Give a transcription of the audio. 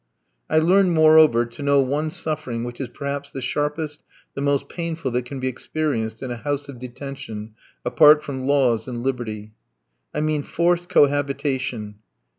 I learned, moreover, to know one suffering which is perhaps the sharpest, the most painful that can be experienced in a house of detention apart from laws and liberty. I mean, "forced cohabitation."